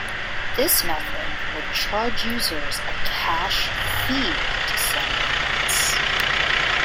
This method would charge users a cash fee to send emails.